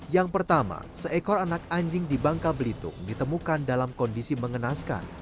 yang pertama seekor anak anjing di bangka belitung ditemukan dalam kondisi mengenaskan